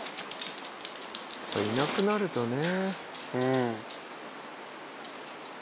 いなくなるとね。